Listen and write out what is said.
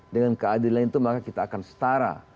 dengan keadilan itu maka kita akan setara